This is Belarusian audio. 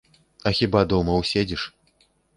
А хіба дома ўседзіш?